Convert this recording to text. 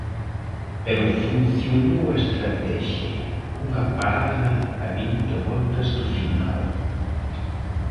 Pero funcionou a estratexia, cunha parada a vinte voltas do final.